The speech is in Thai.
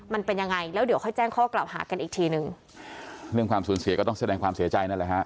มันเป็นยังไงแล้วเดี๋ยวค่อยแจ้งข้อกล่าวหากันอีกทีหนึ่งเรื่องความสูญเสียก็ต้องแสดงความเสียใจนั่นแหละฮะ